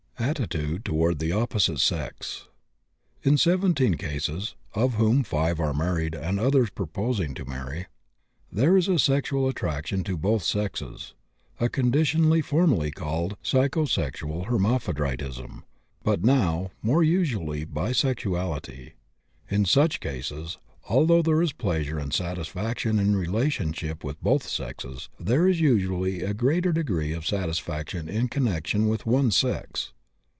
ATTITUDE TOWARD THE OPPOSITE SEX. In 17 cases (of whom 5 are married and others purposing to marry) there is sexual attraction to both sexes, a condition formerly called psycho sexual hermaphroditism, but now more usually bisexuality. In such cases, although there is pleasure and satisfaction in relationships with both sexes, there is usually a greater degree of satisfaction in connection with one sex.